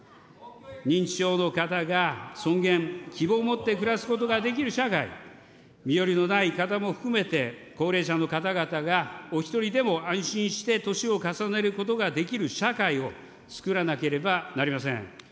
認知症の方が尊厳・希望を持って暮らすことができる社会、身寄りのない方も含めて、高齢者の方々がお１人でも安心して年を重ねることができる社会をつくらなければなりません。